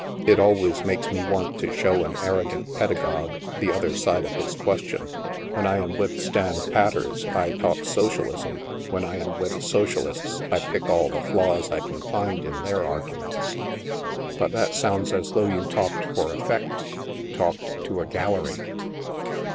It always makes me want to show an arrogant peda gogue the other side of his question. When I am with standpatters, I talk socialism ; when I am with socialists, I pick all the flaws I can find in their ar guments." " But that sounds as though you talked for effect — talked to a gallery."